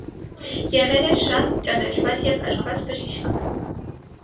Եղել է շատ ճանաչված և հարգված բժիշկ։